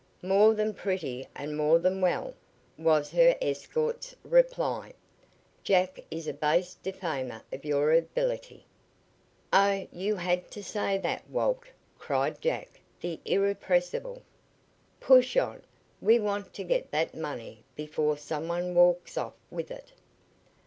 "More than pretty and more than well," was her escort's reply. "Jack is a base defamer of your ability." "Oh, you had to say that, Walt!" cried Jack, the irrepressible. "Push on. We want to get that money before some one walks off with it."